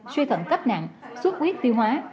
suy thận cấp nặng suốt quyết phi hoá